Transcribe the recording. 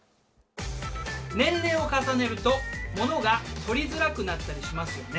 年齢を重ねるとものが取りづらくなったりしますよね。